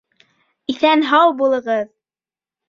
Иҫән-һау булығыҙ!